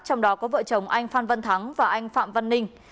trong đó có vợ chồng anh phan văn thắng và anh phạm văn ninh